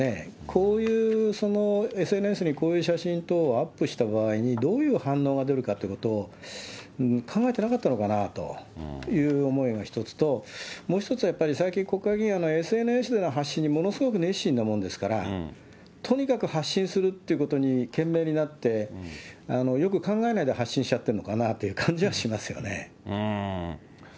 こういうＳＮＳにこういう写真等をアップした場合に、どういう反応が出るかということを考えてなかったのかなという思いが一つと、もう一つはやっぱり、最近国会議員、ＳＮＳの発信にものすごく熱心なものですから、とにかく発信するということに懸命になって、よく考えないで発信しちゃってるのかなという感じはしますがね。